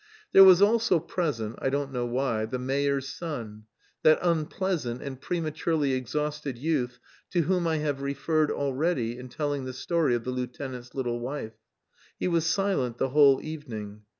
There was also present, I don't know why, the mayor's son, that unpleasant and prematurely exhausted youth to whom I have referred already in telling the story of the lieutenant's little wife. He was silent the whole evening.